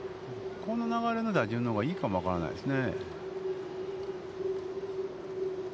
この流れの打順のほうがいいかも分からないですね。